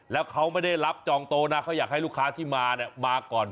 แล้วเขาไม่ได้รับจองโตนะเขาอยากให้ลูกค้าที่มาเนี่ยมาก่อน